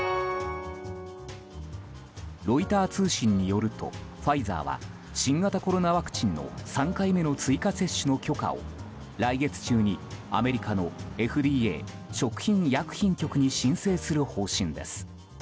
ロイター通信によるとファイザーは新型コロナワクチンの３回目の追加接種の許可を来月中にアメリカのＦＤＡ・食品医薬品局に申請する方針です。